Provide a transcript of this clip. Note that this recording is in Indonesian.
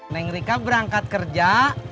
neng rika berangkat kerja